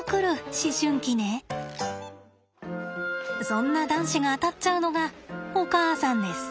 そんな男子が当たっちゃうのがお母さんです。